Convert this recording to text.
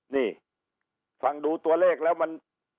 นี่ฟังดูตัวเลขแล้วมัน